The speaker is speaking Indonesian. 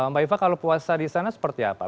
mbak iva kalau puasa di sana seperti apa